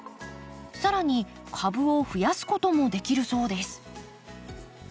更に株を増やすこともできるそうです。